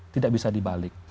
tidak bisa dibalik